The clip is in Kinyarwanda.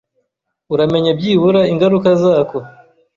uramenye byibura ingaruka zako